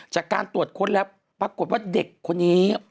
จากการตรวจค้นแล้วปรากฏว่าเด็กคนนี้